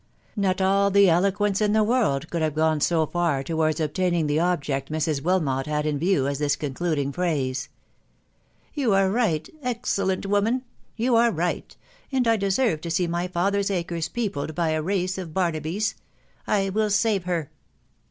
Not all the eloquence in the world could have gone so far towards obtaining the object Mrs. Wilmot had in view as this concluding phrase. " You are right !... excellent woman !... You are right, and J deserve to see my father's acre* peopled by, a, me of Barnaby* ,.. I will $*ve her!